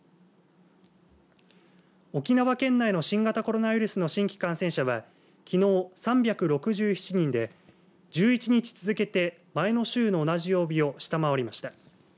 沖縄県内の新型コロナウイルスの新規感染者はきのう３６７人で１１日続けて前の週の同じ曜日を下回りました。